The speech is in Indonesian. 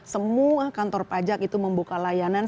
semua kantor pajak itu membuka layanan